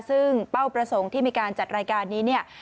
ซึ่งเป้าประสงค์ที่มีการจัดรายการนี้เนี่ย